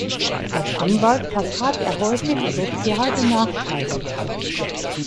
Als Anwalt vertrat er häufig sozial Benachteiligte.